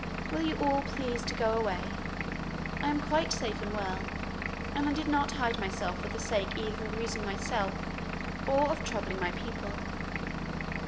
Will you all please to go away? I am quite safe and well, and I did not hide myself for the sake either of amusing myself, or of troubling my people.